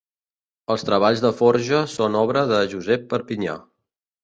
Els treballs de forja són obra de Josep Perpinyà.